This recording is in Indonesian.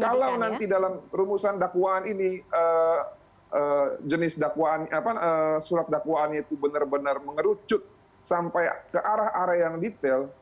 kalau nanti dalam rumusan dakwaan ini jenis surat dakwaannya itu benar benar mengerucut sampai ke arah arah yang detail